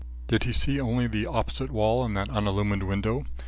Did he see only the opposite wall and that unillumined window?